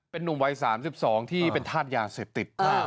เป็นหนุ่มวัยสามสิบสองที่เป็นทาสยาเสพติด